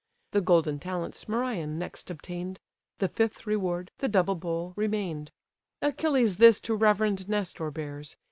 The golden talents Merion next obtain'd; The fifth reward, the double bowl, remain'd. Achilles this to reverend Nestor bears.